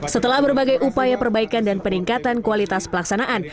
setelah berbagai upaya perbaikan dan peningkatan kualitas pelaksanaan